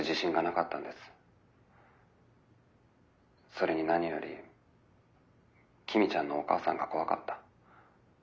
それに何より公ちゃんのお母さんが怖かった。